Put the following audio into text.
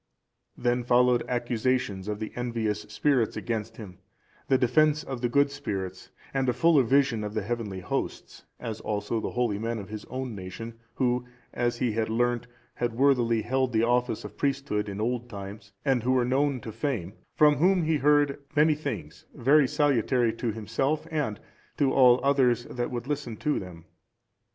Then followed accusations of the envious spirits against himself, the defence of the good spirits, and a fuller vision of the heavenly hosts; as also of holy men of his own nation, who, as he had learnt, had worthily held the office of priesthood in old times, and who were known to fame; from whom he heard many things very salutary to himself, and to all others that would listen to them.